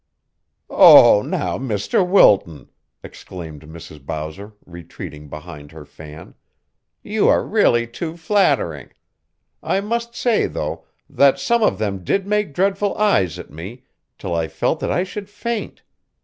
"Oh, now, Mr. Wilton," exclaimed Mrs. Bowser, retreating behind her fan; "you are really too flattering. I must say, though, that some of them did make dreadful eyes at me, till I felt that I should faint.